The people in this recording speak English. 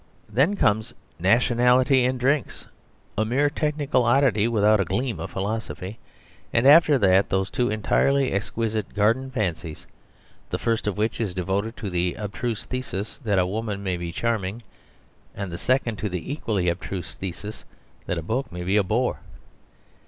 Then comes "Nationality in Drinks," a mere technical oddity without a gleam of philosophy; and after that those two entirely exquisite "Garden Fancies," the first of which is devoted to the abstruse thesis that a woman may be charming, and the second to the equally abstruse thesis that a book may be a bore.